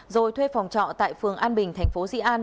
rồi thuê phòng trọ tại phường an bình tp sĩ an